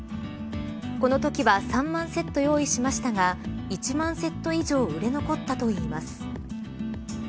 このときは３万セット用意しましたが１万セット以上売れ残ったといいます。